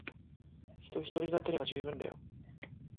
人ひとり立てれば充分だよ。